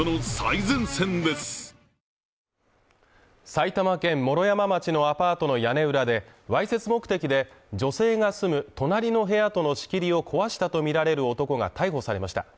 埼玉県毛呂山町のアパートの屋根裏で、わいせつ目的で女性が住む隣の部屋との仕切りを壊したとみられる男が逮捕されました。